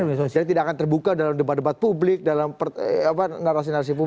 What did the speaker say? jadi tidak akan terbuka dalam debat debat publik dalam narasi narasi publik